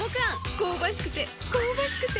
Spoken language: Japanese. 香ばしくて、香ばしくて。